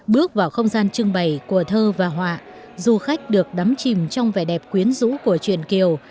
bước vào không gian trưng bày của thơ và họa du khách được đắm chìm trong vẻ đẹp quyến rũ của truyền kiều